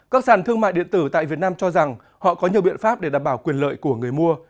các sản thương mại điện tử tại việt nam cho rằng họ có nhiều biện pháp để đảm bảo quyền lợi của người mua